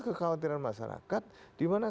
kekhawatiran masyarakat dimana